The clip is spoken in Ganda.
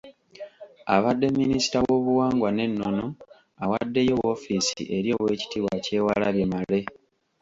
Abadde minisita w'obuwangwa n'ennono awaddeyo woofiisi eri Oweekitiibwa Kyewalabye Male.